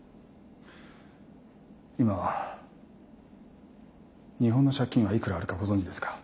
今日本の借金は幾らあるかご存じですか。